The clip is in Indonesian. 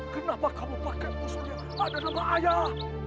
kenapa kamu pakai musuh yang ada dalam ayah